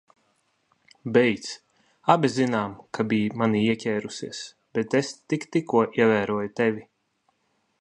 Beidz. Abi zinām, ka biji manī ieķērusies, bet es tik tikko ievēroju tevi.